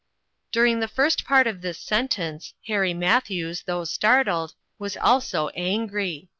During the first part of this sentence, Harry Matthews, though startled, was also 326 INTERRUPTED. angry.